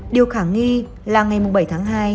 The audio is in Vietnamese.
điều khả nghi là ngày bảy tháng hai